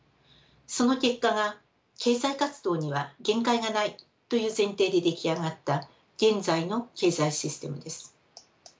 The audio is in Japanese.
その結果が経済活動には限界がないという前提で出来上がった現在の経済システムです。